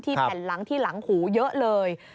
แผ่นหลังที่หลังหูเยอะเลย